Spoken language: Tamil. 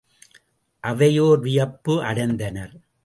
அவையோர் வியப்பு அடைந்தனர்.